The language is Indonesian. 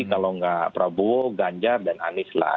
kalau nggak prabowo ganjar dan anies lah